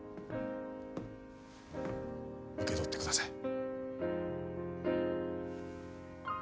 受け取ってください。